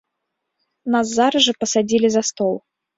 Нас зараз жа пасадзілі за стол.